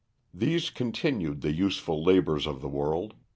These continued the useful labors of the world.